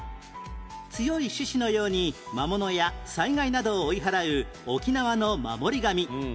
強い獅子のように魔物や災害などを追い払う沖縄の守り神